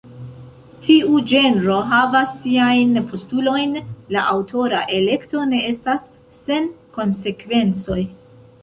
Tiu ĝenro havas siajn postulojn: la aŭtora elekto ne estas sen konsekvencoj.